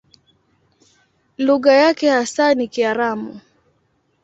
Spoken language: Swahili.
Lugha yake hasa ni Kiaramu.